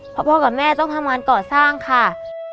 เพราะพ่อกับแม่ต้องทำงานก่อสร้างค่ะ